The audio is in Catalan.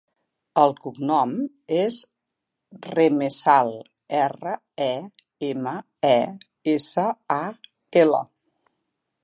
El cognom és Remesal: erra, e, ema, e, essa, a, ela.